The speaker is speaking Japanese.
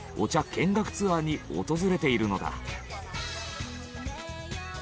見学ツアーに訪れているのだ。